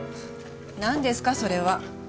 何ですかそれは。